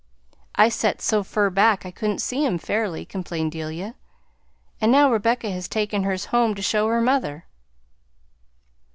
"I set so fur back I couldn't see 'em fairly," complained Delia, "and now Rebecca has taken hers home to show her mother."